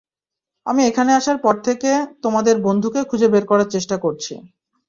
আমি এখানে আসার পর থেকে, তোমাদের বন্ধুকে খুঁজে বের করার চেষ্টা করছি।